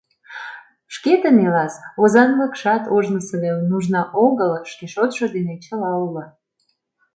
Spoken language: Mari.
Шкетын ила-с, озанлыкшат ожнысо гай нужна огыл, шке шотшо дене чыла уло.